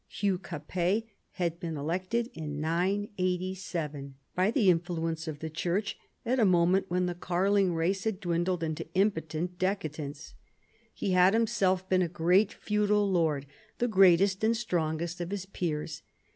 Hugh Capet had been elected in 987 by the influence of the Church at a moment when the Karling race had dwindled into impotent decadence. He had him i THE FRANKISH MONARCHY 3 self been a great feudal lord, the greatest and strongest of his peers.